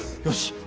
よし！